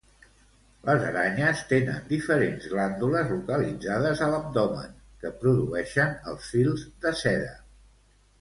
Les aranyes tenen diferents glàndules localitzades a l'abdomen que produeixen els fils de seda.